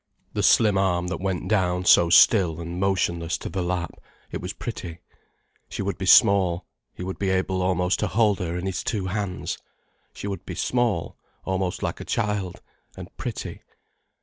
The slim arm that went down so still and motionless to the lap, it was pretty. She would be small, he would be able almost to hold her in his two hands. She would be small, almost like a child, and pretty.